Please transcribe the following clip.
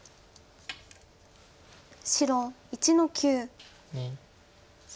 白１の九。